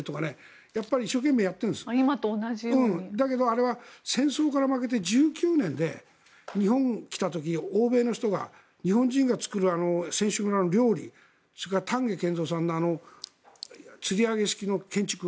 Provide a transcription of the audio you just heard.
だけどあれは戦争から負けて１９年で日本に来た時、欧米の人が日本人が作る選手村の料理それから丹下健三さんのつり上げ式の建築。